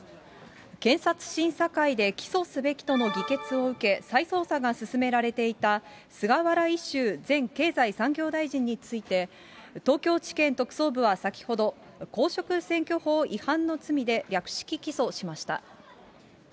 検察審査会で起訴すべきとの議決を受け、再捜査が進められていた菅原一秀前経済産業大臣について、東京地検特捜部は先ほど、公職選挙法違反の罪で略式起訴しました。